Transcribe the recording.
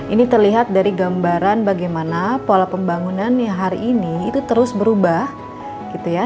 ini terlihat dari gambaran bagaimana pola pembangunannya hari ini itu terus berubah gitu ya